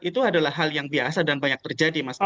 itu adalah hal yang biasa dan banyak terjadi mas